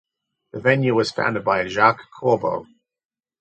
The venue was founded by Jacques Corbo.